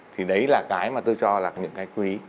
thì đấy là cái mà tôi cho là những cái quý